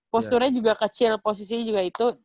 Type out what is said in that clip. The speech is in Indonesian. posturnya juga kecil posisinya juga itu